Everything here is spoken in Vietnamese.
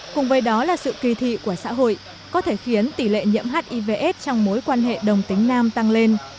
cùng với đó là sự kỳ thị của xã hội có thể khiến tỷ lệ nhiễm hivs trong mối quan hệ đồng tính nam tăng lên